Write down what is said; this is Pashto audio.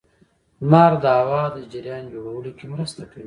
• لمر د هوا د جریان جوړولو کې مرسته کوي.